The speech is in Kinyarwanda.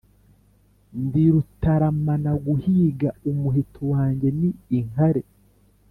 Ndi Rutaramanaguhiga Umuheto wanjye ni inkare